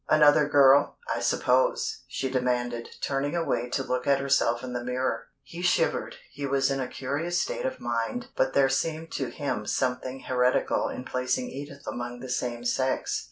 "Another girl, I suppose?" she demanded, turning away to look at herself in the mirror. He shivered. He was in a curious state of mind but there seemed to him something heretical in placing Edith among the same sex.